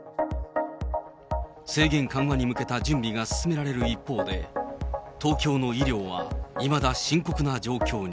制限緩和に向けた準備が進められる一方で、東京の医療はいまだ深刻な状況に。